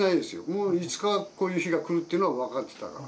もういつか、こういう日が来るっていうのは分かってたから。